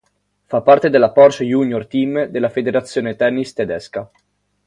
Fa parte della Porsche Junior Team della federazione tennis tedesca.